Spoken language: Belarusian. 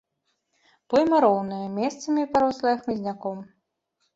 Пойма роўная, месцамі парослая хмызняком.